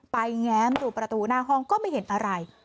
แง้มดูประตูหน้าห้องก็ไม่เห็นอะไร